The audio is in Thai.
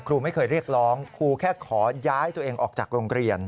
ครูไม่เคยเรียกร้องครูแค่ขอย้ายตัวเองออกจากโรงเรียน